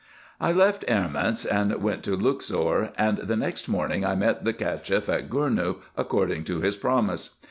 I left Erments and went to Luxor ; and the next morning I met the CachefF at Gournou, according to his promise.